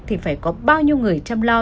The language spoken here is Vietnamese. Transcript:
thì phải có bao nhiêu người chăm lo